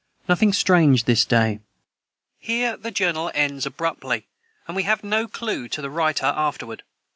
Nothing Strange this day. [Footnote 207: Here the Journal ends abruptly, and we have no clew to the writer afterward.